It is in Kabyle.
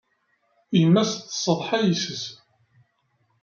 Yemma-s tessetḥa yes-s.